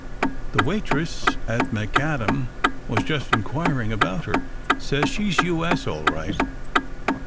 "The waitress at McAdam was just inquiring about her says she's U. S. all right.